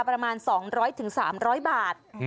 ประมาณสองร้อยถึงห้ามร้อยบาท